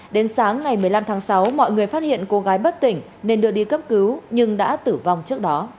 đến sáng ngày một mươi năm tháng sáu mọi người phát hiện cô gái bất tỉnh nên đưa đi cấp cứu nhưng đã tử vong trước đó